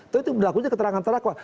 tapi itu berlakunya keterangan terdakwa